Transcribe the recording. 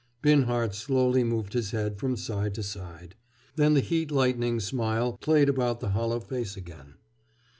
Binhart slowly moved his head from side to side. Then the heat lightning smile played about the hollow face again.